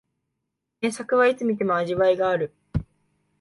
名作はいつ観ても味わいがある